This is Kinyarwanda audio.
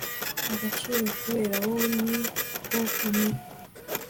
agaciro kubera wowe, niko bimera